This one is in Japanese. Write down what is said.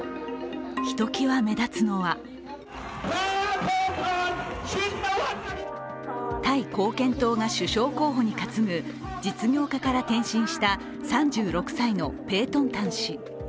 ひときわ目立つのはタイ貢献党が首相候補に担ぐ実業家から転身した３６歳のペートンタン氏。